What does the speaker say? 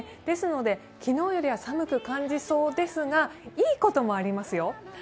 ですので、昨日よりは寒く感じそうですが、いいこともありますよ